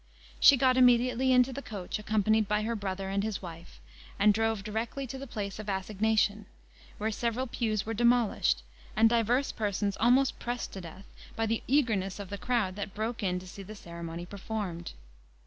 She got immediately into the coach, accompanied by her brother and his wife, and drove directly to the place of assignation, where several pews were demolished, and divers persons almost pressed to death, by the eagerness of the crowd that broke in to see the ceremony performed.